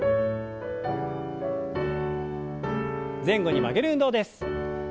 前後に曲げる運動です。